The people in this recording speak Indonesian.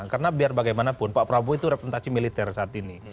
karena biar bagaimanapun pak prabowo itu representasi militer saat ini